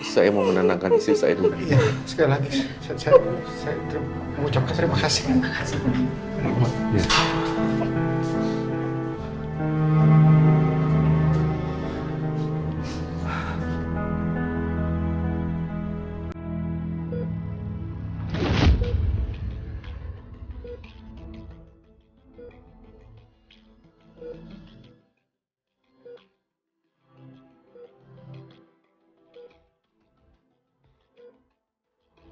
saya mau menandangkan istri saya dulu